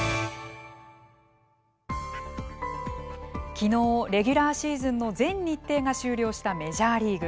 昨日レギュラーシーズンの全日程が終了したメジャーリーグ。